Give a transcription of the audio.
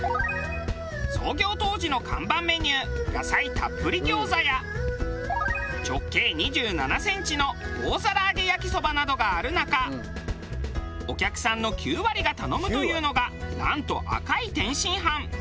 たっぷり餃子や直径２７センチの大皿揚げ焼きそばなどがある中お客さんの９割が頼むというのがなんと赤い天津飯。